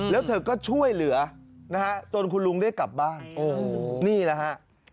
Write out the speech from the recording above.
แล้วเธอก็ช่วยเหลือนะฮะจนคุณลุงได้กลับบ้านนี่แหละฮะ